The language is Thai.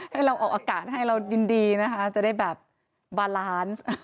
ให้เราออกอากาศให้เรายินดีนะคะจะได้แบบบาลานซ์